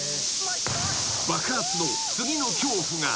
［爆発の次の恐怖が］